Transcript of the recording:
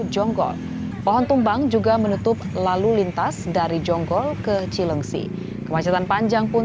jonggol pohon tumbang juga menutup lalu lintas dari jonggol ke cilengsi kemacetan panjang pun